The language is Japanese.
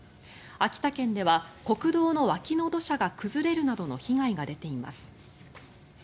秋田県では国道の脇の土砂が崩れるなどの被害が出ています。